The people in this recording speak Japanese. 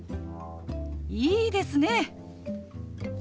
いいですね！